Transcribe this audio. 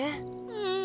うん。